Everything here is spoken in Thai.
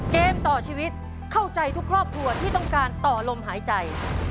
เกมต่อชีวิตเข้าใจทุกครอบครัวที่ต้องการต่อลมหายใจ